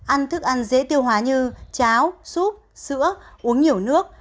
ăn thức ăn dễ tiêu hóa như cháo xúp sữa uống nhiều nước